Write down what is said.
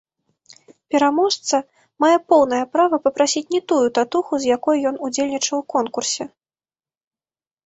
Пераможца мае поўнае права папрасіць не тую татуху, з якой ён удзельнічаў у конкурсе.